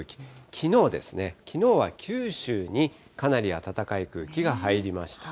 きのうですね、きのうは九州にかなり暖かい空気が入りました。